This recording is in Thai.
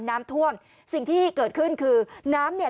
น้ำท่วมสิ่งที่เกิดขึ้นคือน้ำเนี่ย